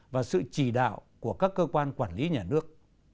và sự chỉ đạo của các cơ quan quản lý nhà nước